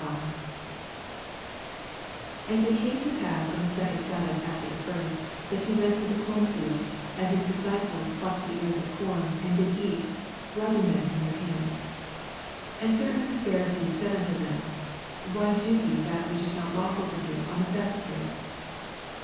1 And it cainc to pass on the second •abbath after the first, t&at he went through the corn fields ; and his dis ciples plucked the ears of com, and did eat, rubbing them in their hands. 2 And certain of the Pharisees said nnto them, Why do ye that which is not lawful to do on the sabbath days